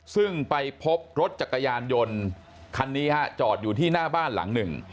ซึ่งไปพบรถจักรยานยนต์คันนี้ฮะจอดอยู่ที่หน้าบ้านหลังหนึ่ง